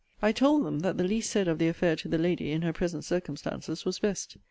I told them that the least said of the affair to the lady, in her present circumstances, was best.